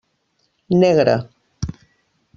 Negre.